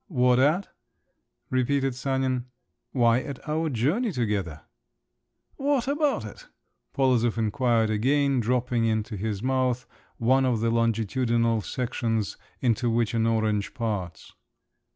"What at?" repeated Sanin. "Why, at our journey together." "What about it?" Polozov inquired again, dropping into his mouth one of the longitudinal sections into which an orange parts.